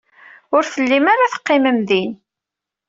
Ur tellim ara teqqimem din.